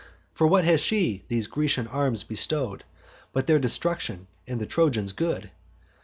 For what has she these Grecian arms bestow'd, But their destruction, and the Trojans' good?